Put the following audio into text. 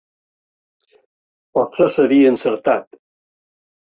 Potser seria encertat.